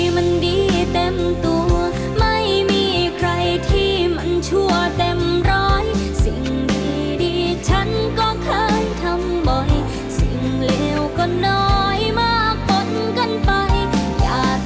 โปรดติดตามตอนต่อไป